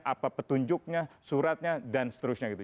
apa petunjuknya suratnya dan seterusnya gitu